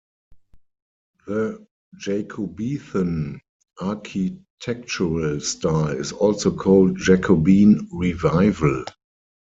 The "Jacobethan" architectural style is also called "Jacobean Revival".